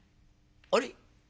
あれ？